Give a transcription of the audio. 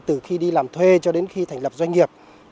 từ khi đi làm thuê cho đến khi thành lập doanh nghiệp